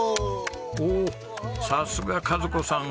おおさすが和子さん